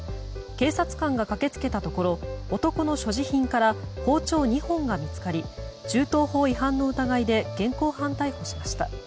警察官が駆けつけたところ男の所持品から包丁２本が見つかり銃刀法違反の疑いで現行犯逮捕しました。